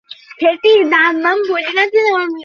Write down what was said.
যমুনা দেবীকে অনেকে কৃষ্ণ প্রিয়া বলে থাকেন।